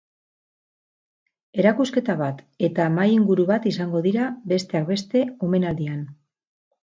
Erakusketa bat eta mahai inguru bat izango dira, besteak beste, omenaldian.